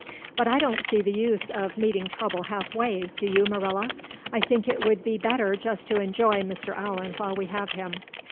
But I don't see the use of meeting trouble halfway, do you, Marilla? I think it would be better just to enjoy Mr. Allan while we have him.